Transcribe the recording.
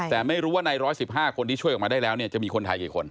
แต่ไม่รู้ว่าใน๑๑๕คนที่ช่วยออกมาได้แล้วเนี่ยจะมีคนไทยกี่คน